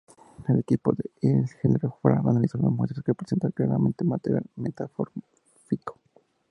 El equipo de Hildebrand analizó las muestras, que presentaban claramente material metamórfico.